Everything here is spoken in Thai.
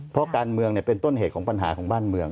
เพราะการเมืองเป็นต้นเหตุของปัญหาของบ้านเมือง